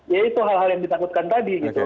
ya itu hal hal yang ditakutkan tadi gitu